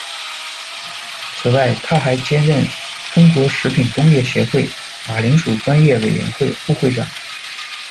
此外，他还兼任中国食品工业协会马铃薯专业委员会副会长。